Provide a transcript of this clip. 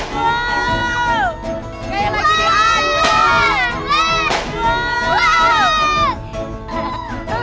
wow kayak lagi di ancol